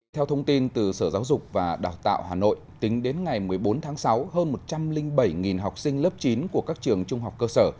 theo thông tin từ sở giáo dục và đào tạo hà nội tính đến ngày một mươi bốn tháng sáu hơn một trăm linh bảy học sinh lớp chín của các trường trung học cơ sở